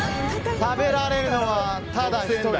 食べられるのは、ただ１人。